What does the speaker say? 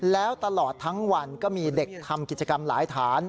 แล้วตลอดทั้งวันก็มีเด็กทำกิจกรรมหลายฐาน